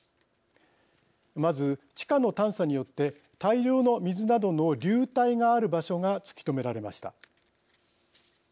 まず地下の探査によって大量の水などの流体がある場所が突き止められました。